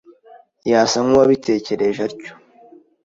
Yasa nkuwabitekereje atyo.